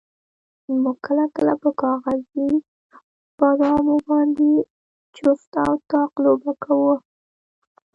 موږ کله کله په کاغذي بادامو باندې جفت او طاق لوبه کوله.